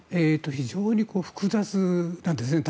非常に複雑なんですね。